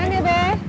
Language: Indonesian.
jalan ya be